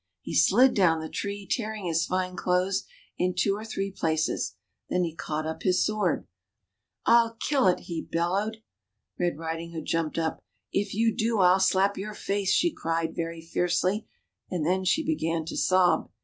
He slid down the tree, tearing his fine clothes in two or three places ; then he caught up his swmrd. 'H'll kill it!" he bel lowed. Red Riding hood jumped up. " If you do. I'll slap your face 1 " she cried very fiercely ; and then she began to sob.